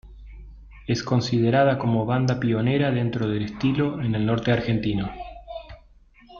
Es considerada como banda pionera dentro del estilo en el norte argentino.